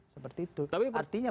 seperti itu artinya